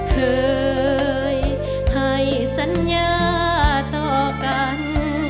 เคยให้สัญญาต่อกัน